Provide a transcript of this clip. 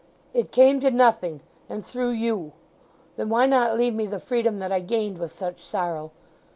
"It came to nothing; and through you. Then why not leave me the freedom that I gained with such sorrow!